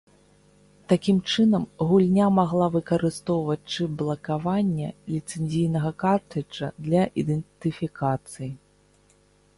Такі чынам, гульня магла выкарыстоўваць чып блакавання ліцэнзійнага картрыджа для ідэнтыфікацыі.